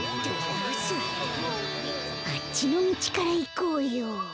あっちのみちからいこうよ。